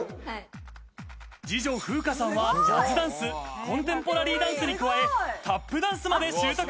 二女・楓香さんはジャズダンス、コンテンポラリーダンスに加え、タップダンスまで習得。